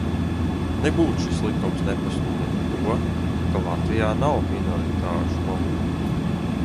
Nebūt šis likums nepasludina to, ka Latvijā nav minoritāšu valodu.